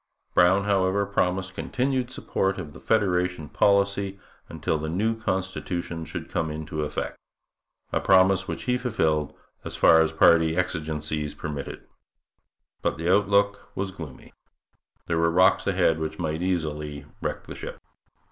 Brown, however, promised continued support of the federation policy until the new constitution should come into effect a promise which he fulfilled as far as party exigencies permitted. But the outlook was gloomy. There were rocks ahead which might easily wreck the ship.